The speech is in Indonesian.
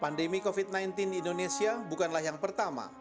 pandemi covid sembilan belas di indonesia bukanlah yang pertama